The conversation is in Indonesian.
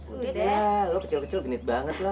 udah lo kecil kecil benit banget loh